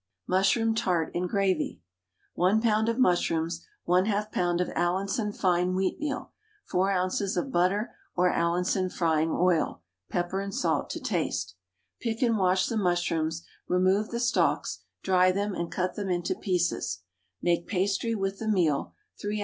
MUSHROOM TART AND GRAVY. 1 lb. of mushrooms, 1/2 lb. of Allinson fine wheatmeal, 4 oz. of butter or Allinson frying oil, pepper and salt to taste. Pick and wash the mushrooms, remove the stalks, dry them and cut them into pieces; make pastry with the meal, 3 oz.